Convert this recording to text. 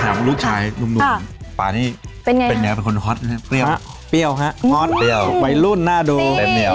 ขอถามลูกชายลุ่มป่านี่เป็นยังยัง